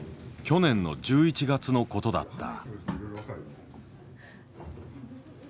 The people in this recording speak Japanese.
去年の１１月の事だった。